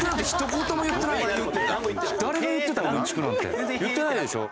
言ってないでしょ？